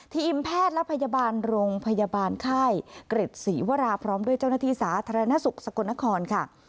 ทีมแพทย์และพยาบาลโรงพยาบาลค่ายเกร็ดศรีวราพร้อมด้วยเจ้าหน้าที่สาธารณสุขสกลนครค่ะ